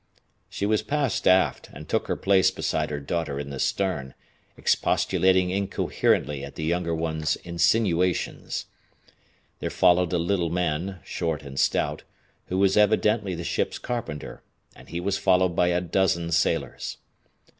She was passed aft and took her place beside her daughter in the stern, expostulating incoherently at the younger one's insinuations. Then followed a little man, short and stout, who was evidently the ship's carpenter, and he was followed by a dozen sailors.